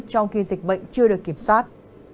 trong khi dịch bệnh chưa được kiểm soát